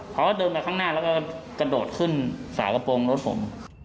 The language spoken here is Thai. เขาก็เดินไปข้างหน้าแล้วก็กระโดดขึ้นฝากระโปรงรถผม